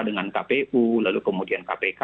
dengan kpu lalu kemudian kpk